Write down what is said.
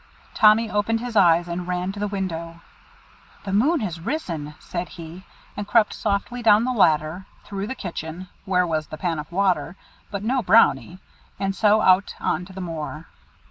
Tommy opened his eyes, and ran to the window. "The moon has risen," said he, and crept softly down the ladder, through the kitchen, where was the pan of water, but no Brownie, and so out on to the moor.